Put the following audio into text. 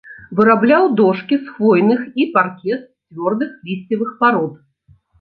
Вырабляў дошкі з хвойных і паркет з цвёрдых лісцевых парод.